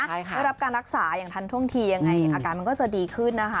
ได้รับการรักษาอย่างทันท่วงทียังไงอาการมันก็จะดีขึ้นนะคะ